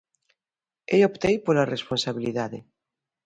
Eu optei pola responsabilidade.